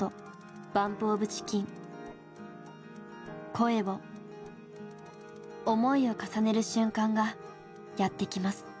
声を思いを重ねる瞬間がやって来ます。